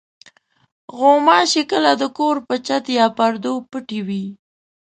غوماشې کله د کور په چت یا پردو پټې وي.